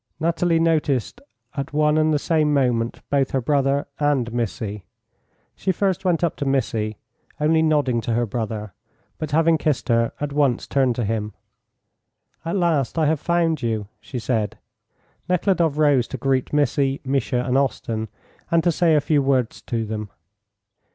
Nathalie noticed at one and the same moment both her brother and Missy. She first went up to Missy, only nodding to her brother; but, having kissed her, at once turned to him. "At last I have found you," she said. Nekhludoff rose to greet Missy, Misha, and Osten, and to say a few words to them.